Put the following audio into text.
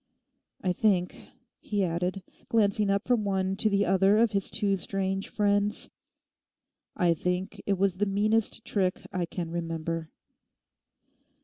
I think,' he added, glancing up from one to the other of his two strange friends, 'I think it was the meanest trick I can remember.